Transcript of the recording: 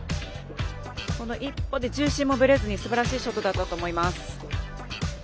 一歩で重心もぶれずにすばらしいショットだったと思います。